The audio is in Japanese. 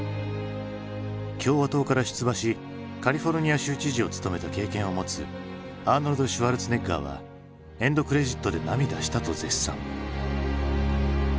共和党から出馬しカリフォルニア州知事を務めた経験を持つアーノルド・シュワルツェネッガーは「エンドクレジットで涙した」と絶賛。